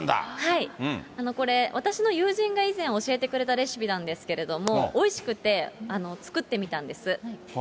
これ、私の友人が以前、教えてくれたレシピなんですけれども、おいしくて、作ってみたんです。